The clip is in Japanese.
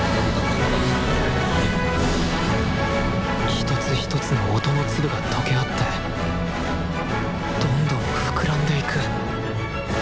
一つ一つの音の粒が溶け合ってどんどん膨らんでいく。